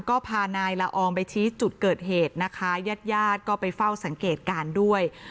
ก็พานายละอองไปชี้จุดเกิดเหตุนะคะญาติญาติก็ไปเฝ้าสังเกตการณ์ด้วย